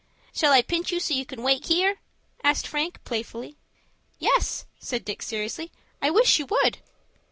"Shall I pinch you so you can wake here?" asked Frank, playfully. "Yes," said Dick, seriously, "I wish you would."